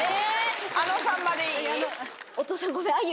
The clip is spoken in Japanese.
あのさんまでいい？